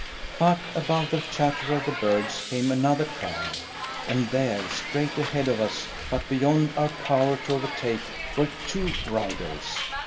But above the chatter of the birds came another cry, and there, straight ahead of us, but beyond our power to overtake, were two riders.